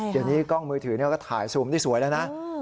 เดี๋ยวนี้กล้องมือถือก็ถ่ายซูมได้สวยแล้วนะ